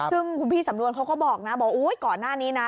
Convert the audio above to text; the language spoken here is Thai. ซึ่งคุณพี่สำนวนเขาก็บอกนะบอกก่อนหน้านี้นะ